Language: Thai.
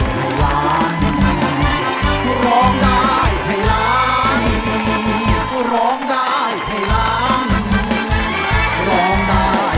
กว่าจะจบรายการเนี่ย๔ทุ่มมาก